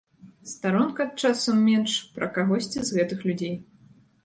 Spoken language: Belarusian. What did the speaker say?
Старонка, часам менш, пра кагосьці з гэтых людзей.